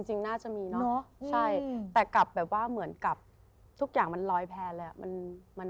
จริงน่าจะมีเนอะใช่แต่กลับแบบว่าเหมือนกับทุกอย่างมันลอยแพ้เลยอ่ะ